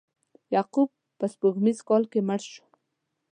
یعقوب په سپوږمیز کال کې مړ شو.